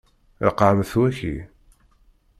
Ṛeqqɛemt waki.